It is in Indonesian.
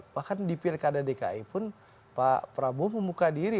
walaupun pak prabowo membuka diri